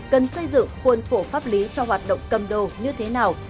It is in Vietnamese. cần xây dựng khuôn khổ pháp lý cho hoạt động cầm đồ như thế nào